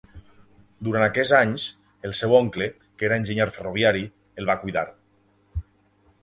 Durant aquests anys, el seu oncle, que era enginyer ferroviari, el va cuidar.